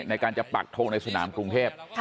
ในการจะปักทงในสนามกรุงเทพ